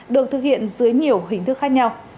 được thực hiện dưới nhiều hình thức khác nhau